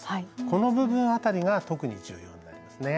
この部分辺りが特に重要になりますね。